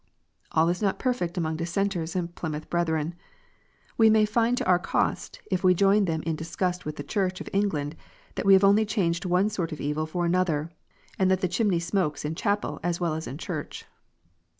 All is not perfect among Dissenters and Plymouth Brethren. We may find to our cost, if we join them in disgust with the Church of England, that we have only changed one sort of evil for another, and that the chimney smokes in chapel as well as in church.